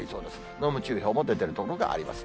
濃霧注意報も出てる所があります。